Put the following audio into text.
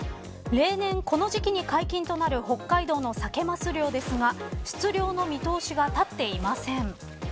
例年、この時期に解禁となる北海道のサケ・マス漁ですが出漁の見通しが立っていません。